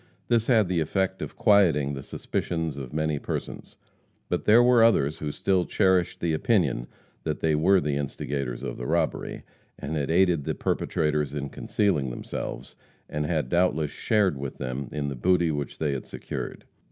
This had the effect of quieting the suspicions of many persons, but there were others who still cherished the opinion that they were the instigators of the robbery, and had aided the perpetrators in concealing themselves, and had doubtless shared with them the booty which they had secured.